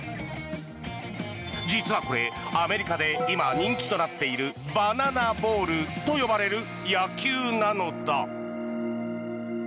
実はこれ、アメリカで今人気となっているバナナボールと呼ばれる野球なのだ。